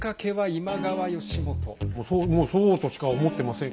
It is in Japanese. もうそうとしか思ってません。